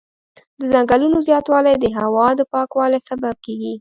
د ځنګلونو زیاتوالی د هوا د پاکوالي سبب کېږي.